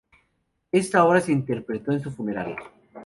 Esta obra se interpretó en su funeral.